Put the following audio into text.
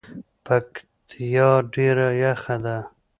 پکتیا ډیره یخه ده